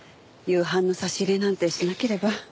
夕飯の差し入れなんてしなければ。